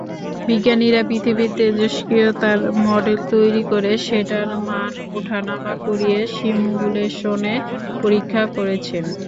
বিজ্ঞানীরা পৃথিবীর তেজষ্ক্রিয়তার মডেল তৈরী করে সেটার মান ওঠা নামা করিয়ে সিমুলেশনে পরীক্ষা করেছেন।